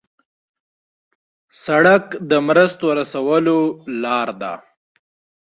سړک د مرستو رسولو لار ده.